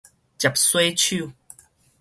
捷洗手